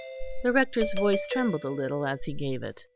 The Rector's voice trembled a little as he gave it.